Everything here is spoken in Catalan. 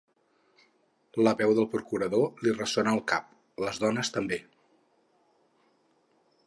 La veu del procurador li ressona al cap. Les dones també.